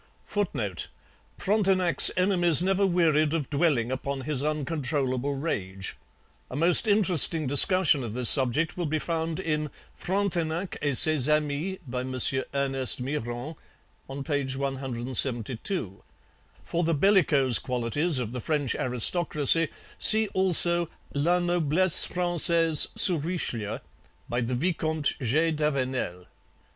[Footnote: Frontenac's enemies never wearied of dwelling upon his uncontrollable rage. A most interesting discussion of this subject will be found in Frontenac et Ses Amis by M. Ernest Myrand (p. 172). For the bellicose qualities of the French aristocracy see also La Noblesse Francaise sous Richelieu by the Vicomte G. d'Avenel.